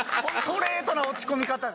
ストレートな落ち込み方。